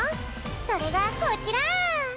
それがこちら！